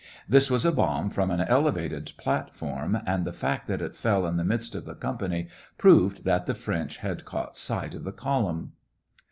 This was a bomb from an elevated platform, and the fact that it fell in the midst of the company proved that the French had caught sight of the column.